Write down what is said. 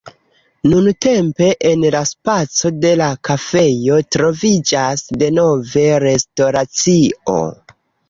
Nuntempe en la spaco de la kafejo troviĝas denove restoracio.